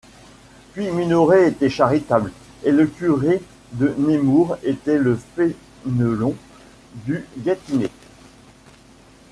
Puis Minoret était charitable, et le curé de Nemours était le Fénelon du Gâtinais.